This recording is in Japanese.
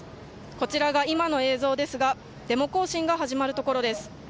こちらが今の映像ですがデモ行進が始まるところです。